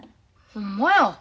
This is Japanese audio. ほんまや。